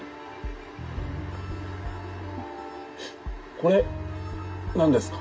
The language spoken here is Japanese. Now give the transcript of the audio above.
「これ何ですか？」。